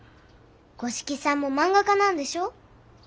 五色さんも漫画家なんでしょう？